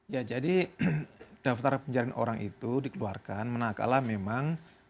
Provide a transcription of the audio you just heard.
ya jadi daftar penjara orang itu dikeluarkan